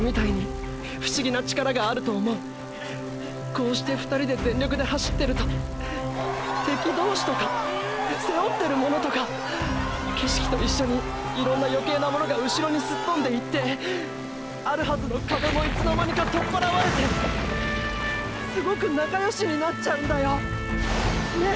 こうして２人で全力で走ってると敵同士とか背負ってるものとか景色と一緒にいろんな余計なものがうしろにすっとんでいってあるはずの「カベ」もいつの間にかとっぱらわれてすごく仲良しになっちゃうんだよ！！ねぇ！